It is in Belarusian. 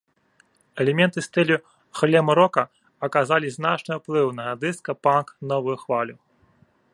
Элементы стылю глэм-рока аказалі значны ўплыў на дыска, панк, новую хвалю.